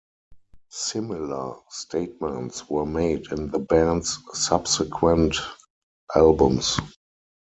Similar statements were made in the band's subsequent albums.